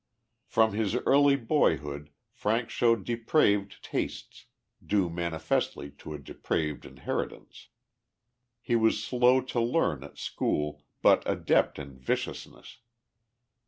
From his early boyhood Frank showed depraved tastes, due manifestly to a depraved inheritance. He was slow to learn at school, but adept in viciousness.